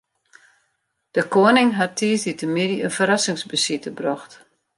De koaning hat tiisdeitemiddei in ferrassingsbesite brocht.